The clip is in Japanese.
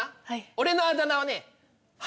俺のあだ名はね